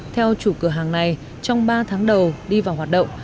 theo chủ cửa hàng này trong ba tháng đầu đi vào hoạt động